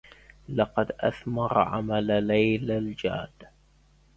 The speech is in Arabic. لقد أثمر عمل ليلى الجاد.